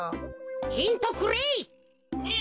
ヒントくれい！